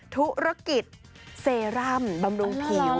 ธุรกิจเซรั่มบำรุงผิว